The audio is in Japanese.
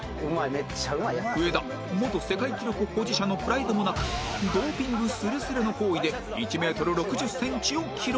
上田元世界記録保持者のプライドもなくドーピングすれすれの行為で１メートル６０センチを記録